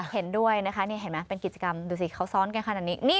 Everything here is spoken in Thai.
เห็นด้วยนะคะเป็นกิจกรรมดูสิเขาซ้อนแค่ขนาดนี้